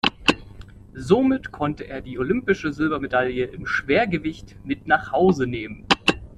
Somit konnte er die olympische Silbermedaille im Schwergewicht mit nach Hause nehmen.